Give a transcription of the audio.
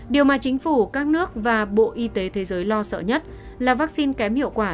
điều mà chính phủ các nước và bộ y tế thế giới lo sợ nhất là vaccine kém hiệu quả